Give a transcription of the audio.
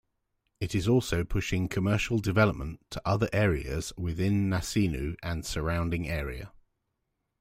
It is also pushing commercial development to other areas within Nasinu and surrounding area.